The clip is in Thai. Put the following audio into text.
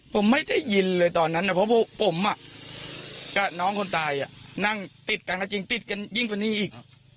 ผมไม่ได้ยินเลยตอนนั้นนะเพราะผมกับน้องคนตายนั่งติดกันก็จริงติดกันยิ่งกว่านี้อีก